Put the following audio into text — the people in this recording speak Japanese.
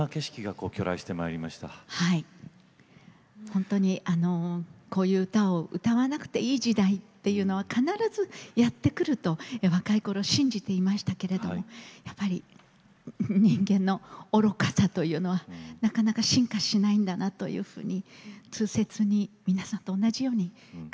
本当にこういう歌を歌わなくていい時代というのは必ずやって来ると若いころ信じていましたけれどもやっぱり人間の愚かさというのはなかなか進化しないんだなと痛切に皆さんと同じように感じています。